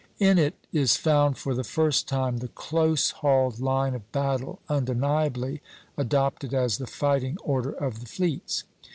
In it is found for the first time the close hauled line of battle undeniably adopted as the fighting order of the fleets.